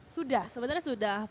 sudah sebenarnya sudah